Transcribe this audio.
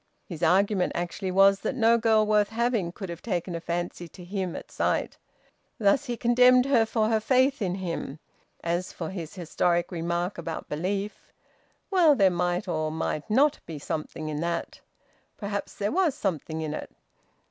His argument actually was that no girl worth having could have taken a fancy to him at sight. Thus he condemned her for her faith in him. As for his historic remark about belief, well, there might or might not be something in that; perhaps there was something in it.